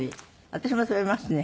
私も食べますね。